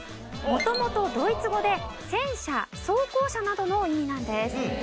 元々ドイツ語で戦車装甲車などの意味なんです。